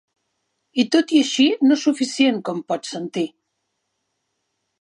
I tot i així no suficient, com pots sentir.